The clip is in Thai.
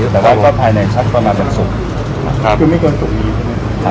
แต่ว่าก็ภายในชักประมาณเป็นศุกร์